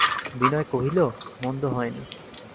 বিনয় কহিল, মন্দ হয় নি।